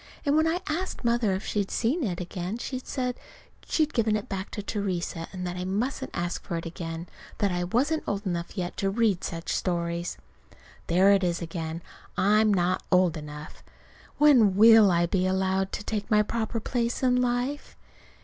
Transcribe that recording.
And when I asked Mother if she'd seen it, she said she'd given it back to Theresa, and that I mustn't ask for it again. That I wasn't old enough yet to read such stories. There it is again! I'm not old enough. When will I be allowed to take my proper place in life?